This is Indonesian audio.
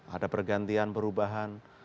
ada pergantian perubahan